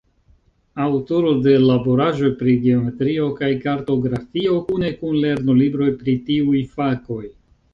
Aŭtoro de laboraĵoj pri geometrio kaj kartografio kune kun lernolibroj pri tiuj fakoj.